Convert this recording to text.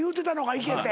いけって。